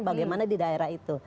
bagaimana di daerah itu